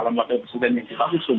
dalam waktu presiden yang kita usung